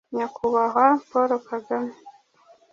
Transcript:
Nyakubahwa Paul Kagame